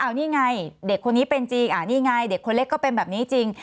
นี่ไงเด็กคนนี้เป็นจริงนี่ไงเด็กคนเล็กก็เป็นแบบนี้จริง